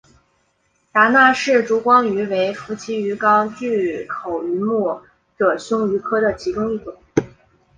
达纳氏烛光鱼为辐鳍鱼纲巨口鱼目褶胸鱼科的其中一种。